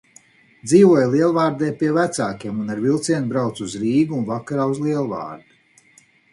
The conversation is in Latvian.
Dzīvoju Lielvārdē pie vecākiem un ar vilcienu braucu uz Rīgu un vakarā uz Lielvārdi.